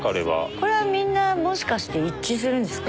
これはみんなもしかして一致するんですか？